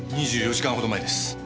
２４時間ほど前です。